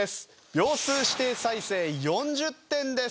秒数指定再生４０点です。